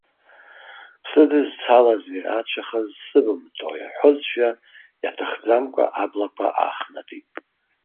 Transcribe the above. Бсыдызцалазеи, ацәаха зсыбымҭои аҳәозшәа, иаҭахӡамкәа аблақәа аахнатит.